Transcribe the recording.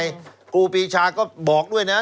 ครูปีชาก็บอกด้วยนะ